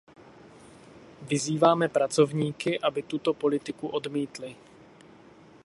Vyzýváme pracovníky, aby tuto politiku odmítli.